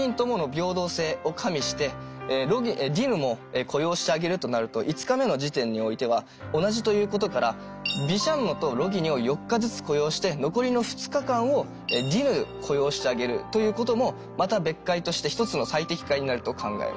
平等性を加味してディヌも雇用してあげるとなると５日目の時点においては同じということからビシャンノとロギニを４日ずつ雇用して残りの２日間をディヌ雇用してあげるということもまた別解として一つの最適解になると考えます。